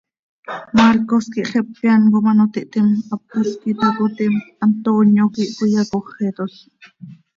Marcos quih xepe án com ano tiihtim, hápalc pac itácotim, Antonio quih cöiyacóxetol.